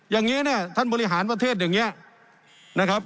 อย่างนี้เนี่ยท่านบริหารประเทศอย่างนี้นะครับ